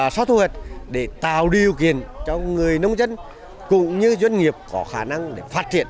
sắp thu hệt để tạo điều kiện cho người nông dân cũng như dân nghiệp có khả năng phát triển